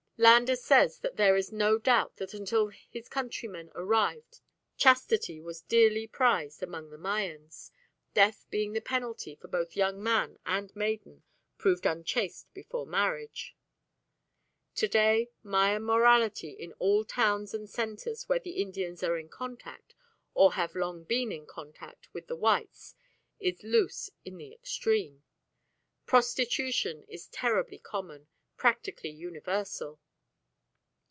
Landa says that there is no doubt that until his countrymen arrived chastity was dearly prized among the Mayans: death being the penalty for both young man and maiden proved unchaste before marriage. To day Mayan morality in all towns and centres where the Indians are in contact, or have long been in contact, with the whites is loose in the extreme. Prostitution is terribly common, practically universal.